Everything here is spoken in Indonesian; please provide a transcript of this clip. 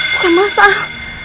bukan mas al